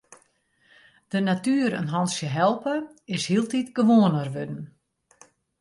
De natuer in hantsje helpe is hieltyd gewoaner wurden.